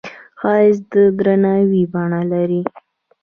ښایست د درناوي بڼه لري